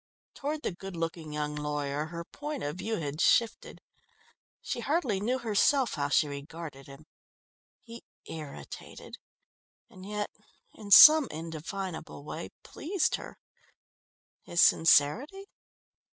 Toward the good looking young lawyer her point of view had shifted. She hardly knew herself how she regarded him. He irritated, and yet in some indefinable way, pleased her. His sincerity